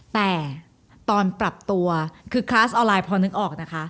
แต่ตอนปรับตัวคือคลาสออนไลน์พอนึกออกนะคะ